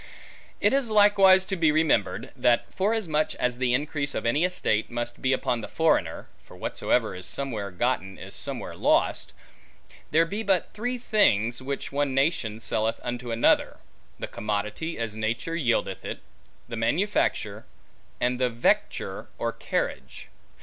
It is likewise to be remembered, that forasmuch as the increase of any estate must be upon the foreigner (for whatsoever is somewhere gotten, is somewhere lost), there be but three things, which one nation selleth unto another; the commodity as nature yieldeth it; the manufacture; and the vecture, or carriage.